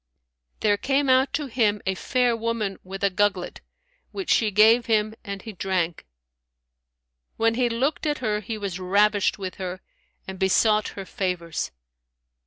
There came out to him a fair woman with a gugglet, which she gave him, and he drank. When he looked at her, he was ravished with her and besought her favours.